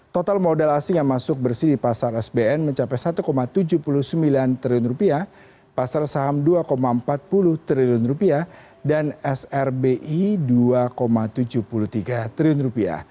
total modal asing yang masuk bersih di pasar sbn mencapai rp satu tujuh puluh sembilan triliun pasar saham rp dua empat puluh triliun dan srbi rp dua tujuh puluh tiga triliun